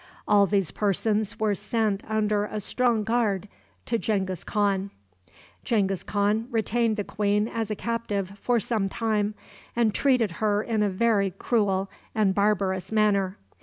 All these persons were sent under a strong guard to Genghis Khan. Genghis Khan retained the queen as a captive for some time, and treated her in a very cruel and barbarous manner.